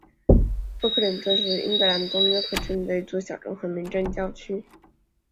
波克灵顿是英格兰东约克郡的一座小镇和民政教区。